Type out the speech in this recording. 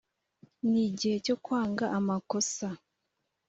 n igihe cyo kwanga amakosa